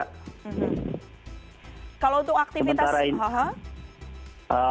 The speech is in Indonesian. kalau untuk aktivitas